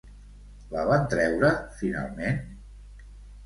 La van treure finalment?